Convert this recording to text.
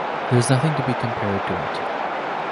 There is nothing to be compared to it.